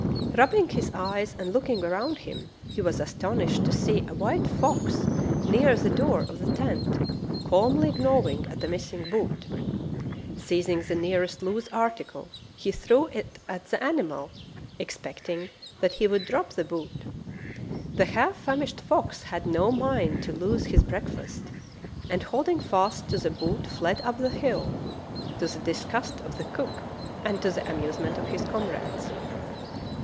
Rubbing his eyes and looking around him, he was astonished to see a white fox near the door of the tent calmly gnawing at the missing boot. Seizing the nearest loose article, he threw it at the animal, expect ing that he would drop the boot. The half famished fox had no mind to lose his breakfast, and holding fast to the boot fled up the hill, to the disgust of the cook and to the amusement of his comrades.